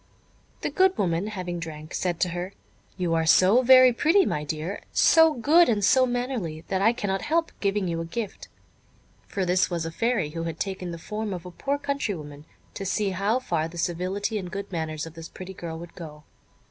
The good woman having drank, said to her: "You are so very pretty, my dear, so good and so mannerly, that I cannot help giving you a gift" (for this was a Fairy, who had taken the form of a poor country woman, to see how far the civility and good manners of this pretty girl would go).